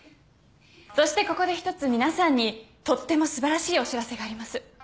そしてここでひとつ皆さんにとっても素晴らしいお知らせがあります。